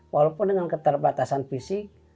walaupun dengan keterbatasan fisik